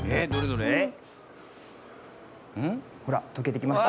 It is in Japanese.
ほらとけてきました。